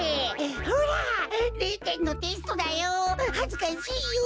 ほら０てんのテストだよ。